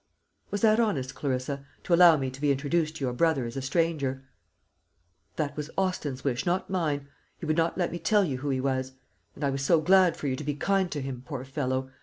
"Was that honest, Clarissa, to allow me to be introduced to your brother as a stranger?" "That was Austin's wish, not mine. He would not let me tell you who he was; and I was so glad for you to be kind to him, poor fellow!